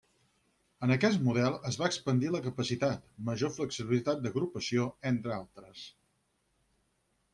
En aquest model es va expandir la capacitat, major flexibilitat d'agrupació, entre altres.